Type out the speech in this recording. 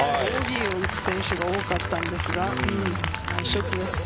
ＯＢを打つ選手が多かったんですけれども、ナイスショットです。